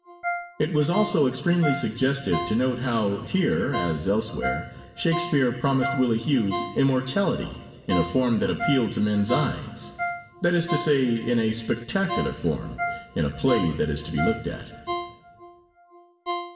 It was also extremely suggestive to note how here as elsewhere Shakespeare promised Willie Hughes immortality in a form that appealed to men's eyes—that is to say, in a spectacular form, in a play that is to be looked at.